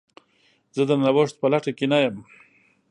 زه د نوښت په لټه کې نه یم.